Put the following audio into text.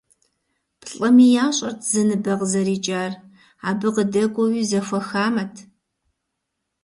Плӏыми ящӏэрт зы ныбэ къызэрикӏар, абы къыдэкӏуэуи зэхуэхамэт.